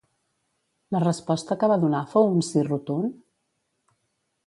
La resposta que va donar fou un sí rotund?